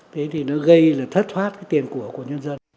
thế thì nó gây thất thoát tiền của nhân dân